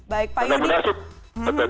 baik pak yudi